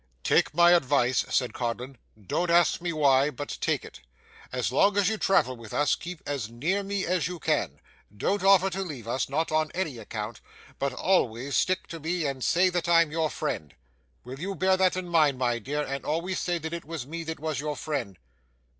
'Take my advice,' said Codlin: 'don't ask me why, but take it. As long as you travel with us, keep as near me as you can. Don't offer to leave us not on any account but always stick to me and say that I'm your friend. Will you bear that in mind, my dear, and always say that it was me that was your friend?